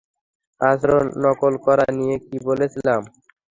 আচরণ নকল করা নিয়ে কী বলেছিলাম?